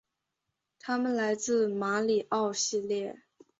他们来自马里奥系列。